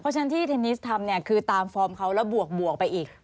เพราะฉะนั้นที่เทนนิสทำเนี่ยคือตามฟอร์มเขาแล้วบวกไปอีก